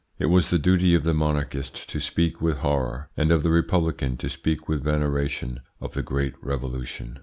It was the duty of the monarchist to speak with horror, and of the republican to speak with veneration, of the great Revolution.